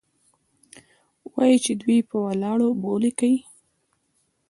وايي چې دوى په ولاړو بولې کيې.